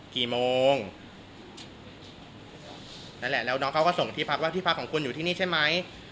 กี่โมงนั่นแหละแล้วน้องเขาก็ส่งที่พักว่าที่พักของคุณอยู่ที่นี่ใช่ไหม